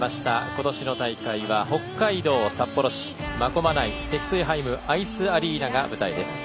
今年の大会は北海道札幌市真駒内セキスイハイムアイスアリーナが舞台です。